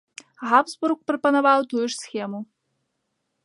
Габсбург прапанаваў тую ж схему.